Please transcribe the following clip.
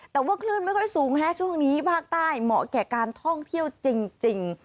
แต่ว่าคลื่นไม่ค่อยสูงฮะช่วงนี้ภาคใต้เหมาะแก่การท่องเที่ยวจริง